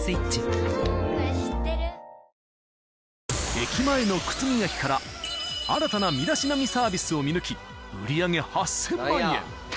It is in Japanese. ［駅前の靴磨きから新たな身だしなみサービスを見抜き売り上げ８，０００万円］